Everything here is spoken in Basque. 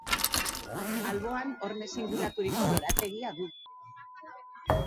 Alboan hormez inguraturiko lorategia du.